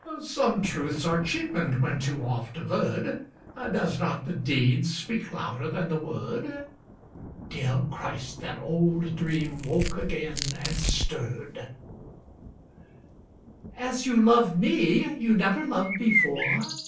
Some truths are cheapened when too oft averred Does not the deed speak louder than the word? (Dear Christ! that old dream woke again and stirred.) As you love me, you never loved before?